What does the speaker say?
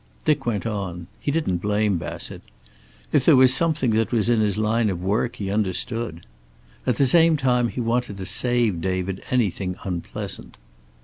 Dick went on. He didn't blame Bassett. If there was something that was in his line of work, he understood. At the same time he wanted to save David anything unpleasant.